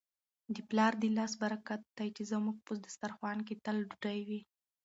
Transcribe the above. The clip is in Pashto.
د پلار د لاس برکت دی چي زموږ په دسترخوان کي تل ډوډۍ وي.